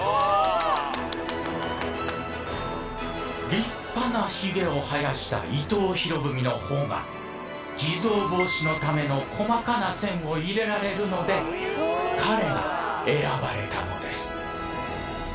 立派なひげを生やした伊藤博文の方が偽造防止のための細かな線を入れられるので彼が選ばれたのです。